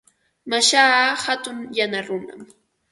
Mashaa hatun yana runam.